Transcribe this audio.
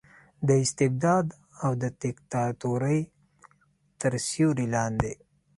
د استبداد او دیکتاتورۍ تر سیورې لاندې